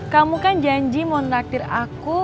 kamu kan janji mau naktir aku